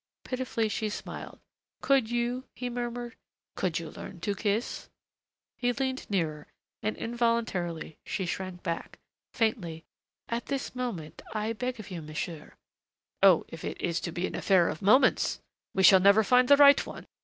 Pitifully she smiled. "Could you," he murmured, "could you learn to kiss?" He leaned nearer and involuntarily she shrank back. Faintly, "At this moment I beg of you, monsieur " "Oh, if it is to be an affair of moments! We shall never find the right one.